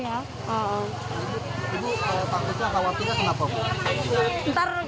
ini takutnya atau khawatirnya kenapa